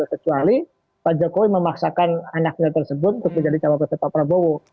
kecuali pak jokowi memaksakan anaknya tersebut untuk menjadi cawapresnya pak prabowo